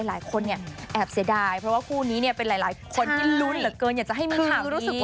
หลายคนเนี่ยแอบเสียดายเพราะว่าคู่นี้เนี่ยเป็นหลายคนที่ลุ้นเหลือเกินอยากจะให้มีข่าวรู้สึก